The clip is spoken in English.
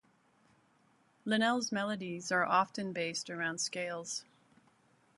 Linnell's melodies are often based around scales.